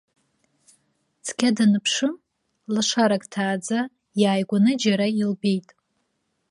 Цқьа даныԥшы, лашарак ҭааӡа иааигәаны џьара илбеит.